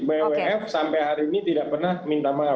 bwf sampai hari ini tidak pernah minta maaf